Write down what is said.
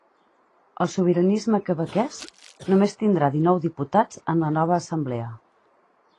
El sobiranisme quebequès només tindrà dinou diputats en la nova assemblea.